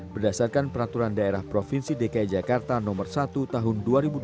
berdasarkan peraturan daerah provinsi dki jakarta nomor satu tahun dua ribu dua puluh